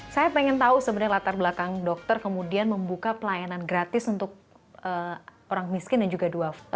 saya pengen tahu sebenarnya latar belakang dokter kemudian membuka pelayanan gratis untuk orang miskin dan juga dua orang